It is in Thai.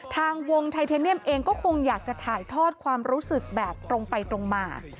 ทางวงไทเทเนียมเองก็คงอยากจะถ่ายทอดความรู้สึกแบบตรงไปตรงมา